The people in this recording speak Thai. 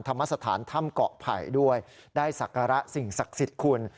ธรรมสถานถ้ำเกาะไผ่ด้วยได้ศักระสิ่งศักดิ์สิทธิ์คุณ